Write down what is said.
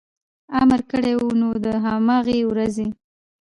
امر کړی و، نو د هماغې ورځې